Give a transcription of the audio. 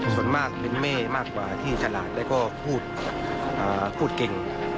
ส่วนมากเป็นเม่มากกว่าที่ฉลาดแล้วก็พูดเก่ง